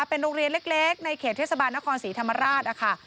เป็นโรงเรียนเล็กในเขตเทศบาลนครศรีธรรมราชนะคะ